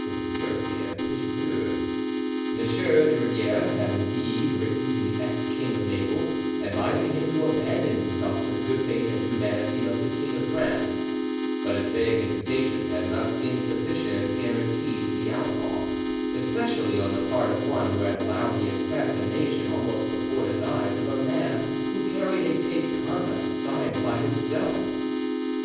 [Conspiracy of Pichegru.] M. de Riviere had indeed written to the ex King of Naples advising him to abandon himself to the good faith and humanity of the King of France, but his vague invitation had not seemed sufficient guarantee to the outlaw, especially on the part of one who had allowed the assassination almost before his eyes of a man who carried a safe conduct signed by himself.